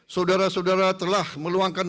saudara saudara telah meluangkan